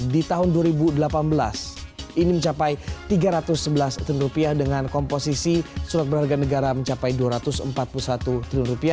di tahun dua ribu delapan belas ini mencapai rp tiga ratus sebelas triliun dengan komposisi surat berharga negara mencapai rp dua ratus empat puluh satu triliun